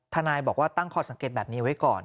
ทนายบอกว่าตั้งข้อสังเกตแบบนี้ไว้ก่อน